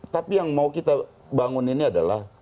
tapi yang mau kita bangun ini adalah